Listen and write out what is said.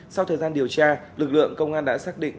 sau thời gian điều tra lực lượng công an đã xác định